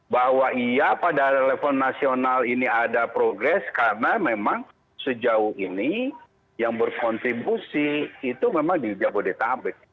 bahwa ia pada level nasional ini ada progres karena memang sejauh ini yang berkontribusi itu memang di jabodetabek